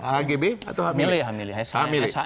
hgb atau hgb milik